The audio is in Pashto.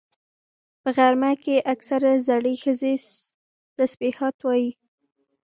په غرمه کې اکثره زړې ښځې تسبيحات وایي